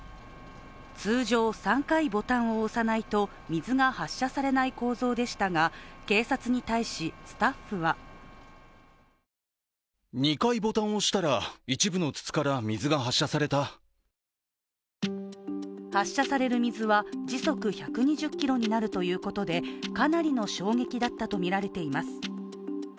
通常、３回ボタンを押さないと水が発射されない構造でしたが、警察に対し、スタッフは発射される水は時速１２０キロになるということでかなりの衝撃だったとみられています。